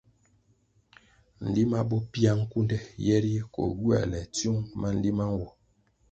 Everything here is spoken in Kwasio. Nlima bo pia nkunde yeri koh gywēle tsiung ma nlima nwo.